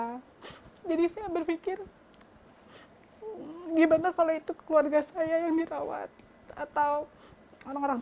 hai jadi saya berpikir hai giliran apalagi itu keluarga saya yang dirawat atau orang orang